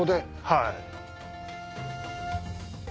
はい。